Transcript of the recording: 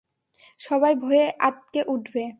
সবাই ভয়ে আঁতকে উঠবে।